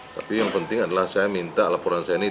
tapi yang penting adalah saya minta laporan saya ini